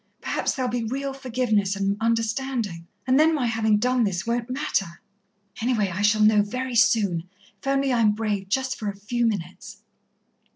Perhaps there'll be real forgiveness and understanding and then my having done this won't matter. Anyway, I shall know very soon, if only I'm brave just for a few minutes."